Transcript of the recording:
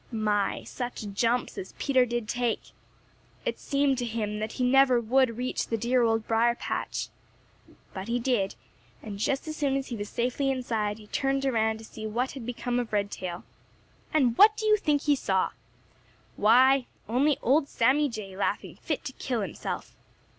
My, such jumps as Peter did take! It seemed to him that he never would reach the dear Old Briar patch. But he did, and just as soon as he was safely inside, he turned around to see what had become of Redtail. And what do you think he saw? Why, only Sammy Jay laughing fit to kill himself.